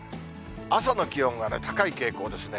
朝の気温は高い傾向ですね。